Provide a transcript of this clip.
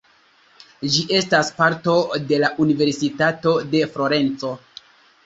Ĝi estas parto de la Universitato de Florenco.